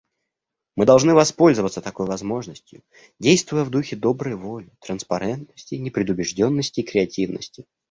Мы должны воспользоваться такой возможностью, действуя в духе доброй воли, транспарентности, непредубежденности и креативности.